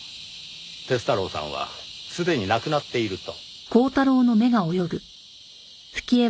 鐵太郎さんはすでに亡くなっていると。